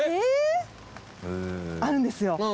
あるんですよ。